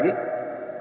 mendinggal dunia semua